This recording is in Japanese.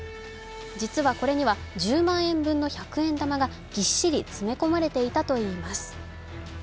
実は、これには１０万円分の百円玉がぎっしり詰め込まれていたといいます。